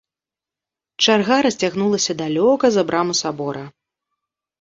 Чарга расцягнулася далёка за браму сабора.